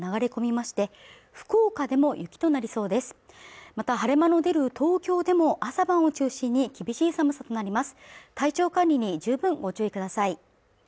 また晴れ間の出る東京でも朝晩を中心に厳しい寒さとなります